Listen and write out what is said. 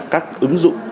các ứng dụng